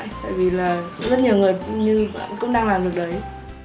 tại vì là rất nhiều người cũng đang làm được đấy